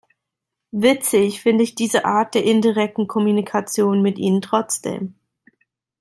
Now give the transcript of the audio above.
Witzig finde ich diese Art der indirekten Kommunikation mit Ihnen trotzdem!